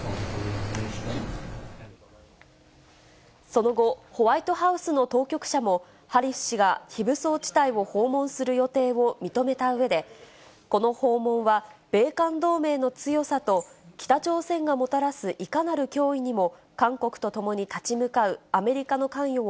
その後、ホワイトハウスの当局者も、ハリス氏が非武装地帯を訪問する予定を認めたうえで、この訪問は、米韓同盟の強さと、北朝鮮がもた全国の皆さん、こんにちは。